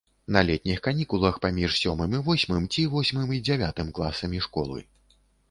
На летніх канікулах паміж сёмым і восьмым ці восьмым і дзявятым класамі школы.